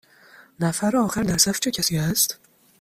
نفر آخر در صف چه کسی است؟